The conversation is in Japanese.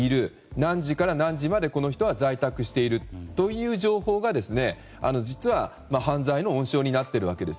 何時から何時まで、この人は在宅しているという情報が実は犯罪の温床になっているわけです。